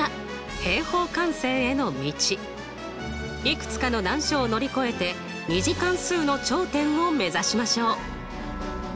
いくつかの難所を乗り越えて２次関数の頂点を目指しましょう！